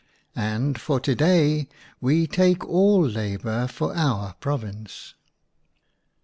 And, for to day, we take all labor for our province!